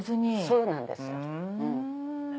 そうなんです。